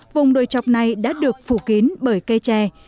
vùng đồi chọc này đã được phủ kiến bởi cây trẻ